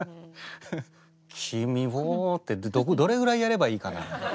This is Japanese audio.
「君を」ってどれぐらいやればいいかな。